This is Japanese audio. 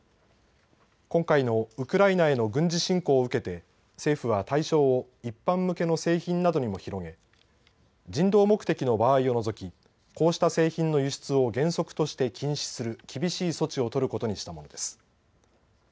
今回のウクライナへの軍事侵攻を受けて政府は対象を一般向けの製品などにも広げ人道目的の場合を除きこうした製品の輸出を原則として禁止する厳しい措置を取ることにしたものです。